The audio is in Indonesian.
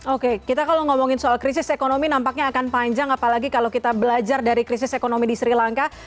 oke kita kalau ngomongin soal krisis ekonomi nampaknya akan panjang apalagi kalau kita belajar dari krisis ekonomi di sri lanka